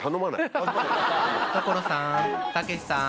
所さんたけしさん。